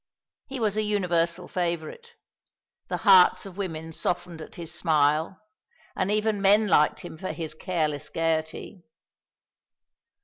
He was a universal favourite. The hearts of women softened at his smile; and even men liked him for his careless gaiety.